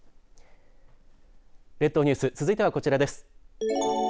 列島ニュース続いてはこちらです。